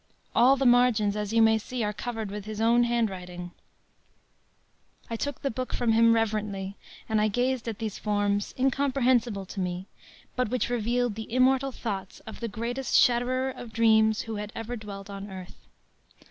All the margins, as you may see, are covered with his handwriting.” I took the book from him reverently, and I gazed at these forms incomprehensible to me, but which revealed the immortal thoughts of the greatest shatterer of dreams who had ever dwelt on earth.